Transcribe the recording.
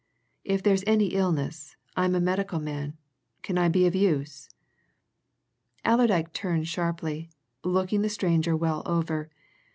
"If there's any illness, I'm a medical man. Can I be of use?" Allerdyke turned sharply, looking the stranger well over.